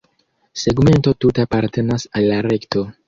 Segmento tute apartenas al la rekto.